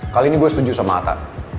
kali ini gua setuju sama ata